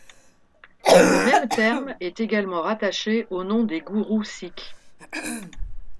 Le même terme est également rattaché aux noms des gurûs sikhs.